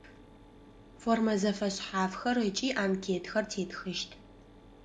Формэ зэфэшъхьафхэр ыкӏи анкетхэр тетхыщт.